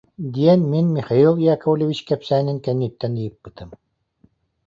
диэн мин Михаил Яковлевич кэпсээнин кэнниттэн ыйыппытым